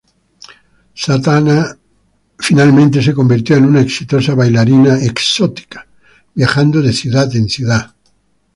Satana finalmente se convirtió en una exitosa bailarina exótica, viajando de ciudad en ciudad.